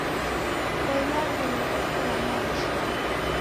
Poilwa ngelo rose ra maisha